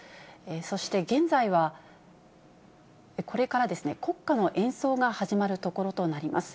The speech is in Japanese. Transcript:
そして現在は、これからですね、国歌の演奏が始まるところとなります。